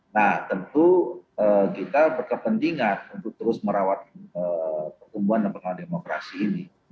nah tentu kita berkepentingan untuk terus merawat pertumbuhan dan perkembangan demokrasi ini